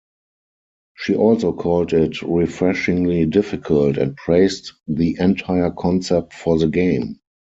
She also called it "refreshingly difficult" and praised the entire concept for the game.